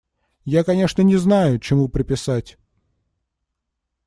Я, конечно, не знаю, чему приписать.